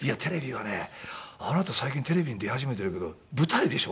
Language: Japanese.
「あなた最近テレビに出始めてるけど舞台でしょ？